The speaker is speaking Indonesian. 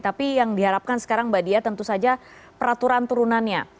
tapi yang diharapkan sekarang mbak dia tentu saja peraturan turunannya